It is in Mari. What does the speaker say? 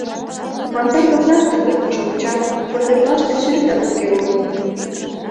Мансарде окнаште окнашовычат, пырдыжлаште сӱретат уке улыт.